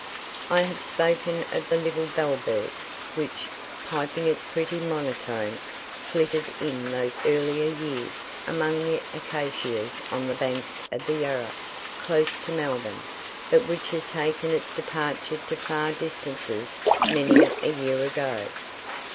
I have spoken of the little bell bird, which, piping its pretty monotone, flitted in those earlier years amongst the acacias on the banks of the Yarra close to Melbourne, but which has taken its departure to far distances many a year ago.